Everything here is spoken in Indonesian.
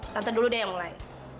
tante dulu deh yang mulai